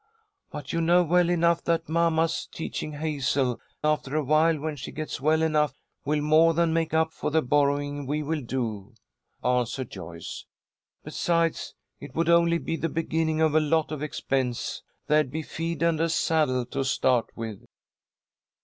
"But you know well enough that mamma's teaching Hazel, after awhile when she gets well enough, will more than make up for the borrowing we will do," answered Joyce. "Besides it would only be the beginning of a lot of expense. There'd be feed and a saddle to start with."